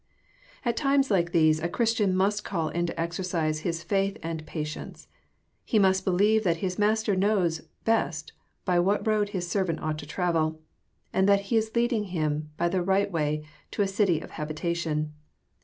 At times like these a Christian must call into exercise his faith and patience. He must believe that his Master knows best by what road Hi§,servant ought to travel, and that He is leading him, by the right way, to a city of habita tion.